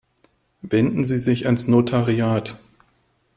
Wenden Sie sich ans Notariat.